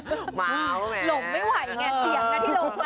หลงไม่ไหวไงเสียงนะที่หลง